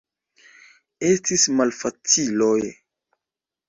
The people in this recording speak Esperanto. Estis malfaciloj.